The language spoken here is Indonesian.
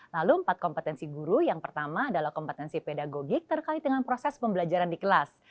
lalu empat kompetensi guru yang pertama adalah kompetensi pedagogik terkait dengan proses pembelajaran di kelas